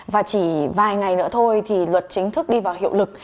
và chỉ vài ngày nữa thôi thì luật chính thức đi vào hiệu lực